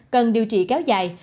cần điều trị kéo dài